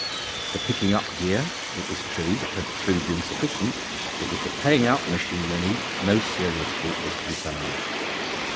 The picking up gear, it was true, had proved insufficient, but with the paying out machinery no serious fault was to be found.